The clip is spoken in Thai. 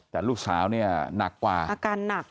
แต่ลูกสาวเนี่ยหนักกว่าอาการหนัก